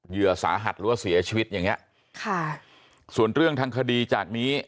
เหยื่อสาหัสหรือว่าเสียชีวิตอย่างเงี้ยค่ะส่วนเรื่องทางคดีจากนี้